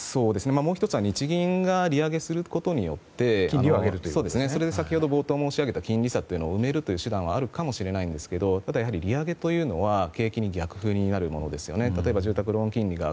もう１つは日銀が利上げすることによって先ほど冒頭で申し上げた金利差を埋めるという手段はあるかもしれませんがただ、やはり利上げというのは契機に逆風になるものですよね。